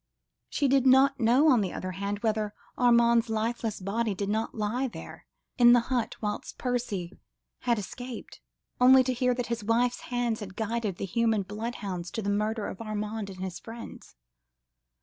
She did not know, on the other hand, whether Armand's lifeless body did not lie there, in the hut, whilst Percy had escaped, only to hear that his wife's hands had guided the human bloodhounds to the murder of Armand and his friends.